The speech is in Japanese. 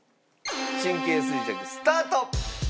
神経衰弱スタート！